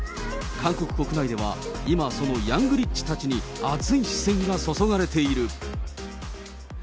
韓国国内では今、そのヤングリッチたちに熱い視線が注がれている。